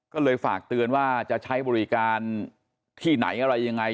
ก็เลยฝากเตือนว่าจะใช้บริการที่ไหนอะไรยังไง